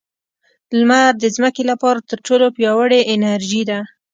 • لمر د ځمکې لپاره تر ټولو پیاوړې انرژي ده.